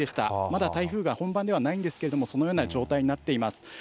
まだ台風が本番ではないんですけれども、そのような状態になっています。